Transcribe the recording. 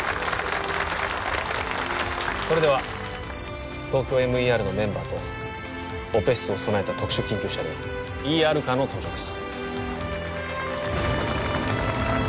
それではＴＯＫＹＯＭＥＲのメンバーとオペ室を備えた特殊緊急車両ＥＲカーの登場です